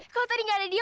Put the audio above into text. kalau tadi gak ada dia